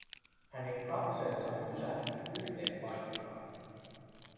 Hänen katseensa on pysähtynyt yhteen paikkaan.